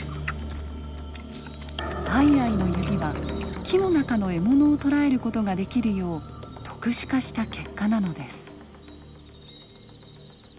アイアイの指は木の中の獲物を捕らえる事ができるよう特殊化した結果なのです。